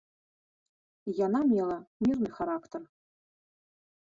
Яна мела мірны характар.